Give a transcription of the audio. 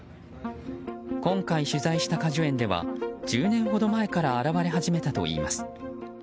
今回取材した果樹園では１０年ほど前から現れ始めたといいます。